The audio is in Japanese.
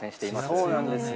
そうなんですね。